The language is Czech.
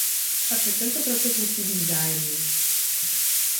Avšak tento proces musí být vzájemný.